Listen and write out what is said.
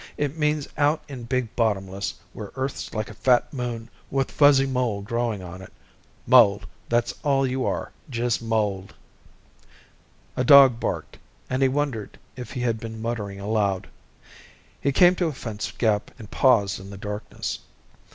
It means out in Big Bottomless, where Earth's like a fat moon with fuzzy mold growing on it. Mold, that's all you are, just mold. A dog barked, and he wondered if he had been muttering aloud. He came to a fence gap and paused in the darkness.